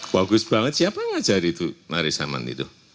bagus banget siapa ngajari tuh nari saman itu